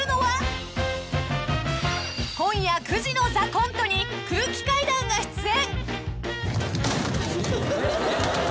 ［今夜９時の『ＴＨＥＣＯＮＴＥ』に空気階段が出演］